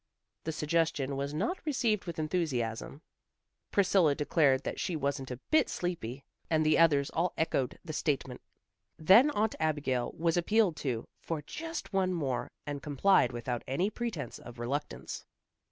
The suggestion was not received with enthusiasm. Priscilla declared that she wasn't a bit sleepy, and the others all echoed the statement. Then Aunt Abigail was appealed to, for just one more, and complied without any pretence of reluctance.